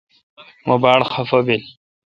مہ باڑ خفہ بیل۔